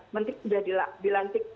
mending sudah dilantik